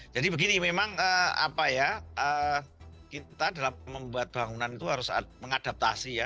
jadi begini memang apa ya kita dalam membuat bangunan itu harus mengadaptasi ya